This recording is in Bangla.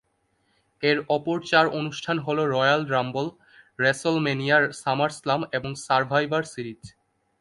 এর অপর চার অনুষ্ঠান হলো রয়্যাল রাম্বল, রেসলম্যানিয়া, সামারস্ল্যাম এবং সার্ভাইভার সিরিজ।